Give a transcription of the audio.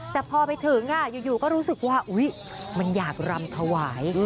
แต่พอไปถึงอยู่ก็รู้สึกว่ามันอยากรำถวาย